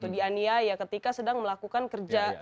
di aniaya ketika sedang melakukan kerja